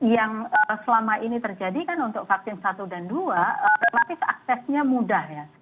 yang selama ini terjadi kan untuk vaksin satu dan dua relatif aksesnya mudah ya